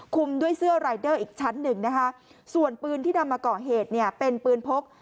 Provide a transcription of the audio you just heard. คุมด้วยเสื้อรายเดอร์อีกชั้นหนึ่งนะคะส่วนปืนที่นำมาก่อเหตุเนี่ยเป็นปืนพก